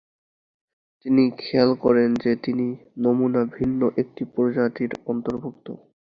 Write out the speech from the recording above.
তিনি খেয়াল করেন যে কিছু নমুনা ভিন্ন একটি প্রজাতির অন্তর্ভুক্ত।